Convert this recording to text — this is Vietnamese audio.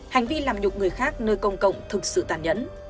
hành vi làm nhục người khác nơi công cộng thực sự tàn nhẫn